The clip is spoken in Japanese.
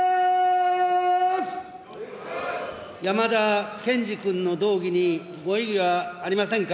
山田賢司君の動議にご異議はありませんか。